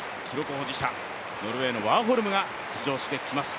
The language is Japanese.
保持者、ノルウェーのワーホルムが出場してきます。